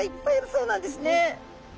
そうなんです。